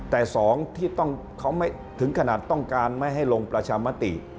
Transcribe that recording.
แต่สองที่เขาถึงขนาดต้องการไม่ให้ลงประชามติ